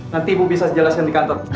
nanti ibu bisa jelaskan di kantor